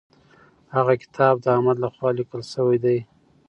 هغه کتاب د احمد لخوا لیکل سوی دی.